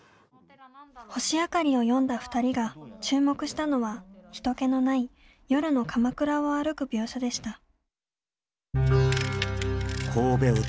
「星あかり」を読んだ２人が注目したのは人けのない夜の鎌倉を歩く描写でした。